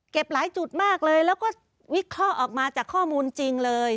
หลายจุดมากเลยแล้วก็วิเคราะห์ออกมาจากข้อมูลจริงเลย